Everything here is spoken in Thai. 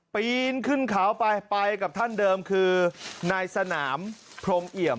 ปีนขึ้นเขาไปไปกับท่านเดิมคือนายสนามพรมเอี่ยม